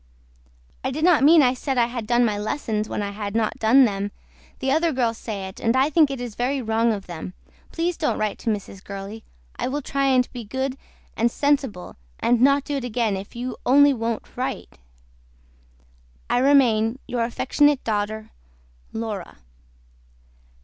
I DID NOT MEAN I SAID I HAD DONE MY LESSONS WHEN I HAD NOT DONE THEM THE OTHER GIRLS SAY IT AND I THINK IT IS VERY WRONG OF THEM. PLEASE DON'T WRITE TO MRS. GURLEY I WILL TRY AND BE GOOD AND SENSIBLE AND NOT DO IT AGAIN IF YOU ONLY WONT WRITE. I REMAIN YOUR AFECTIONATE DAUGHTER LAURA.